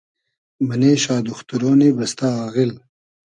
مئنې شا دوختورۉنی بئستۂ آغیل